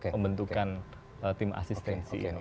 membentukan tim asistensi ini